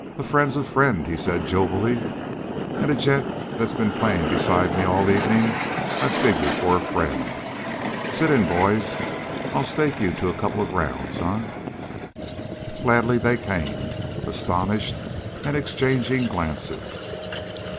"A friend's a friend," he said jovially. "And a gent that's been playing beside me all evening I figure for a friend. Sit in, boys. I'll stake you to a couple of rounds, eh?" Gladly they came, astonished and exchanging glances.